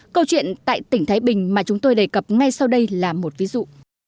câu chuyện tại tỉnh thái bình mà chúng tôi đề cập ngay sau đây là một ví dụ